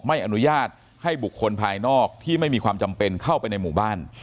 ไม่อนุญาตให้บุคคลภายนอกที่ไม่มีความจำเป็นเข้าไปในหมู่บ้าน